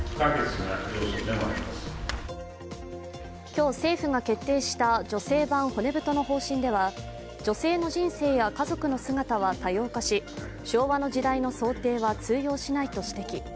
今日、政府が決定した女性版骨太の方針では女性の人生や家族の姿は多様化し、昭和の時代の想定は通用しないと指摘。